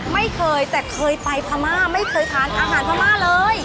ไม่เคยแต่เคยไปพม่าไม่เคยทานอาหารพม่าเลย